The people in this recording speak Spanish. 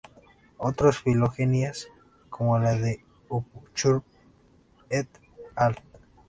Otras filogenias, como la de Upchurch "et al.